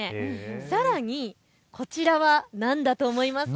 さらに、こちらは何だと思いますか。